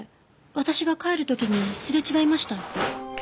私が帰る時にすれ違いました。